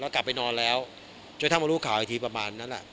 แล้วกลับไปนอแล้วจนถ้ามารู้ข่าวไอทีประมาณนั้นอ่ะ